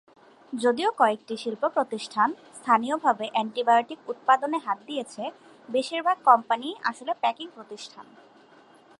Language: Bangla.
যদিও কয়েকটি শিল্প প্রতিষ্ঠান স্থানীয়ভাবে অ্যান্টিবায়োটিক উৎপাদনে হাত দিয়েছে বেশীরভাগ কোম্পানিই আসলে প্যাকিং প্রতিষ্ঠান।